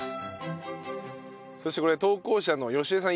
そしてこれ投稿者の良江さん